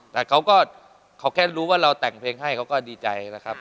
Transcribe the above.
แต่เขาก็เขาแค่รู้ว่าเราแต่งเพลงให้เขาก็ดีใจนะครับ